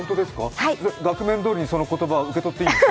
額面どおりにその言葉、受け取っていいんですか？